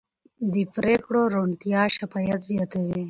د پرېکړو روڼتیا شفافیت زیاتوي